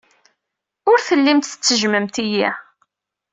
Ur tellimt tettejjmemt-iyi.